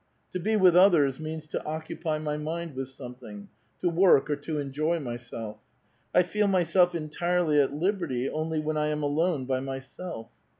To be with others means to occupy m>' mind with something, — to work or to enjoy myself. I feel myself entirely at libert}^ only when I am alone by m3'self.